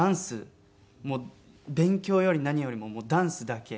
もう勉強より何よりもダンスだけ。